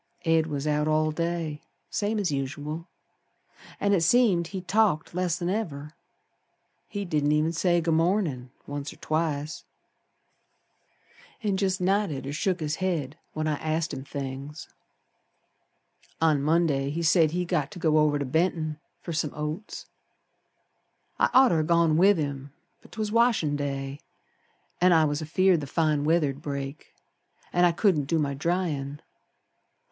Ed was out all day Same as usual. An' it seemed he talked less'n ever. He didn't even say 'Good mornin'', once or twice, An' jest nodded or shook his head when I asked him things. On Monday he said he'd got to go over to Benton Fer some oats. I'd oughter ha' gone with him, But 'twas washin' day An' I was afeared the fine weather'd break, An' I couldn't do my dryin'.